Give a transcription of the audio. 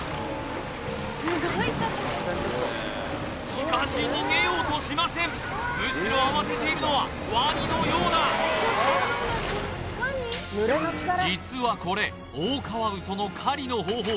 しかし逃げようとしませんむしろ慌てているのはワニのようだ実はこれオオカワウソの狩りの方法